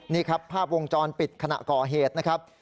นี่ครับภาพวงจรปิดขณะก่อเหตุนะครับ